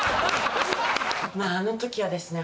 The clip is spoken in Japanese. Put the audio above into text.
あの時はですね